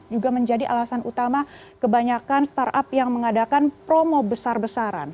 juga menjadi alasan utama kebanyakan startup yang mengadakan promo besar besaran